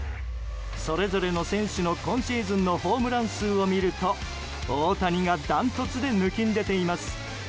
それぞれの選手の、今シーズンのホームラン数を見ると大谷がダントツで抜きんでています。